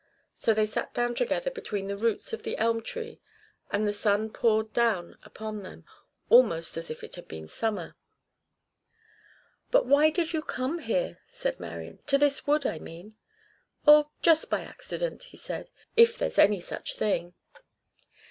So they sat down together between the roots of the elm tree, and the sun poured down upon them, almost as if it had been summer. "But why did you come here," said Marian "to this wood I mean?" "Oh, just by accident," he said, "if there's any such thing."